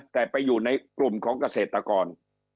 แต่ไปอยู่ในกลุ่มของเกษตรกร